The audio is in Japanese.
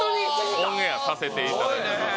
オンエアさせていただきます